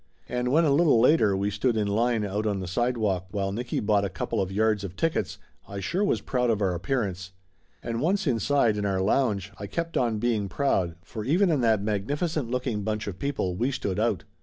And when a little later we stood in line out on the sidewalk while Nicky bought a couple of yards of tickets I sure was proud of our ap pearance. And once inside, in our lounge, I kept on being proud, for even in that magnificent looking bunch of people we stood out.